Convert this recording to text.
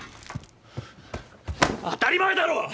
当たり前だろ！